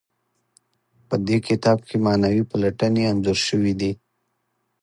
په دې کتاب کې معنوي پلټنې انځور شوي دي.